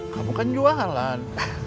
kamu kan jualan